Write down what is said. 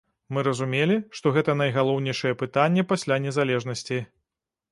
Мы разумелі, што гэта найгалоўнейшае пытанне пасля незалежнасці.